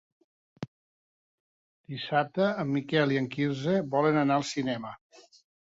Dissabte en Miquel i en Quirze volen anar al cinema.